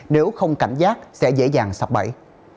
nếu không cảnh giác sẽ dễ dàng sập bẫy